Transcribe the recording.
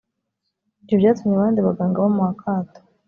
ibyo byatumye abandi baganga bamuha akato